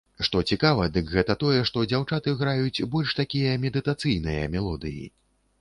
Што цікава, дык гэта тое, што дзяўчаты граюць больш такія медытацыйныя мелодыі.